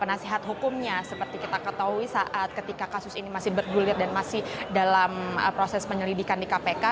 penasihat hukumnya seperti kita ketahui saat ketika kasus ini masih bergulir dan masih dalam proses penyelidikan di kpk